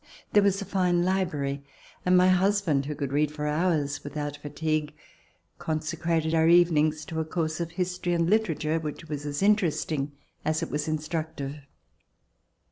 There was a fine library and my husband, who could read for hours without fatigue, consecrated our even ings to a course of history and literature which was as interesting as It was instructive.